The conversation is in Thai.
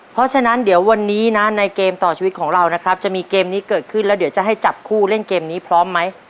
เพราะฉะนั้นเดี๋ยววันนี้นะในเกมต่อชีวิตของเรานะครับจะมีเกมนี้เกิดขึ้นแล้วเดี๋ยวจะให้จับคู่เล่นเกมนี้พร้อมไหม